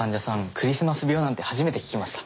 クリスマス病なんて初めて聞きました。